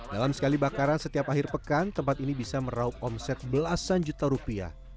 dalam sekali bakaran setiap akhir pekan tempat ini bisa meraup omset belasan juta rupiah